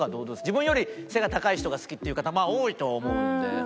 自分より背が高い人が好きっていう方多いとは思うんで。